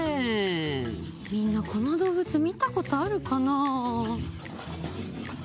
みんなこのどうぶつみたことあるかな？